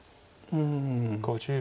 うん。